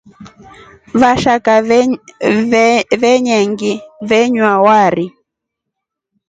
Vashaka venyengi venywa wari.